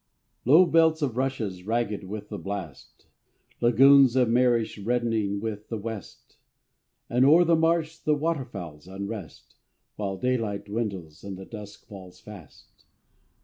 Low belts of rushes ragged with the blast; Lagoons of marish reddening with the west; And o'er the marsh the water fowl's unrest While daylight dwindles and the dusk falls fast.